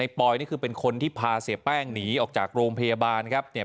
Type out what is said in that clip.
ปอยนี่คือเป็นคนที่พาเสียแป้งหนีออกจากโรงพยาบาลครับเนี่ย